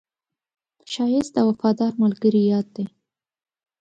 ښایست د وفادار ملګري یاد دی